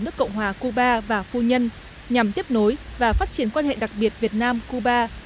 nước cộng hòa cuba và phu nhân nhằm tiếp nối và phát triển quan hệ đặc biệt việt nam cuba